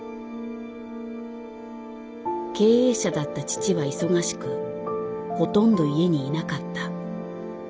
経営者だった父は忙しくほとんど家にいなかった。